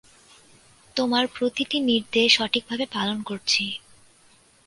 তোমার প্রতিটি নির্দেশ সঠিকভাবে পালন করেছি।